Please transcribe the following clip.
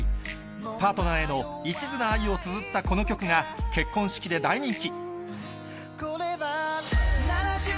パートナーへのいちずな愛をつづったこの曲が、結婚式で大人気。